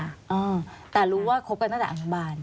อ่าแต่รู้ว่าคบกันตั้งแต่อนุบาล